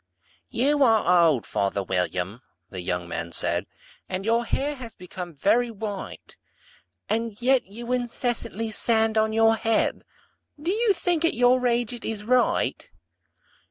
"YOU are old, father William," the young man said, "And your hair has become very white; And yet you incessantly stand on your head Do you think, at your age, it is right?